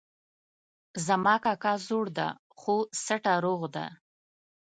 زما کاکا زوړ ده خو سټه روغ ده